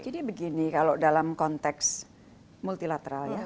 jadi begini kalau dalam konteks multilateral ya who